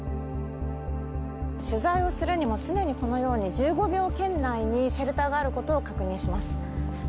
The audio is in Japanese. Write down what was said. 取材をするにも、常にこのように１５秒圏内にシェルターがあることを確認します。